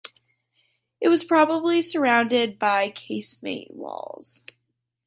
It was probably surrounded by casemate walls.